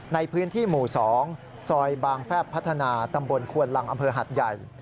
ในพื้นที่หมู่๒ซอยบางแฟบพัฒนาตำบลควนลังอำเภอหัดใหญ่